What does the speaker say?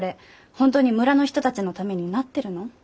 本当に村の人たちのためになってるの？